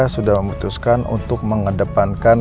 sudah memutuskan untuk mengedepankan